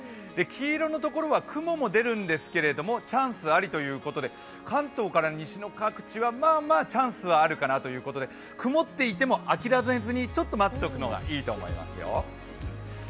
黄色のところは雲も出るんですけれどもチャンスありということで関東から西の各地はまあまあチャンスがあるかなというところで、曇っていても諦めずにちょっと待っておくのがいいと思いますよ。